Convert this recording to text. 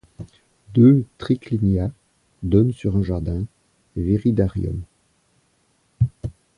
Deux triclinia donnent sur un jardin, viridarium.